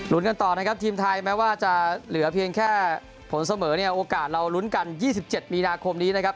กันต่อนะครับทีมไทยแม้ว่าจะเหลือเพียงแค่ผลเสมอเนี่ยโอกาสเราลุ้นกัน๒๗มีนาคมนี้นะครับ